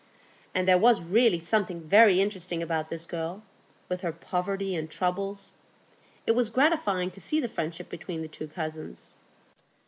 And there was really something very interesting about this girl, with her poverty and troubles; it was gratifying to see the friendship between the two cousins.